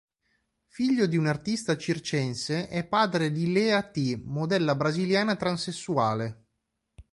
Figlio di un artista circense, è padre di Lea T, modella brasiliana transessuale.